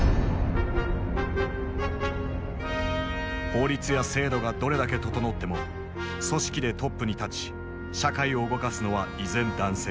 法律や制度がどれだけ整っても組織でトップに立ち社会を動かすのは依然男性。